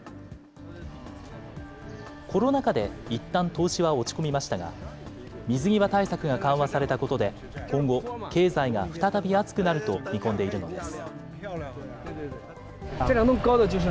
コロナ禍でいったん投資は落ち込みましたが、水際対策が緩和されたことで今後、経済が再び熱くなると見込んでいるのです。